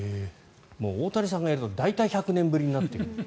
大谷さんがやると大体１００年ぶりになるという。